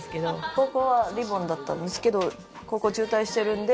高校はリボンだったんですけど、高校中退してるんで。